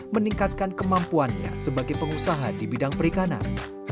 meningkatkan kemampuannya sebagai pengusaha di bidang perikanan